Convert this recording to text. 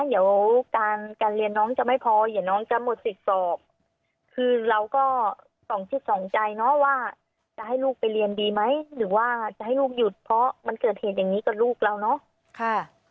เดี๋ยวการเรียนน้องจะไม่พอเดี๋ยวน้องจะหมดสิทธิ์สอบคือเราก็ส่องจิตสองใจเนาะว่าจะให้ลูกไปเรียนดีไหมหรือว่าจะให้ลูกหยุดเพราะมันเกิดเหตุอย่างนี้กับลูกเราเนาะ